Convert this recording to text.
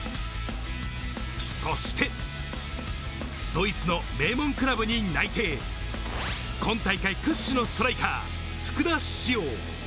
そして、ドイツの名門クラブに内定、今大会屈指のストライカー・福田師王。